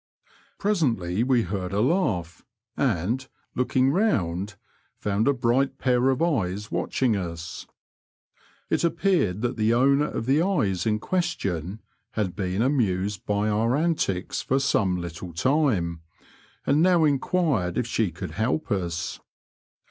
Presently we heard a laugh, and, looking round, found a bright pair of eyes watching us. It appeared that the owner of the eyes in question had been amused by our antics for some liiitle time, and now enquired if she could help us.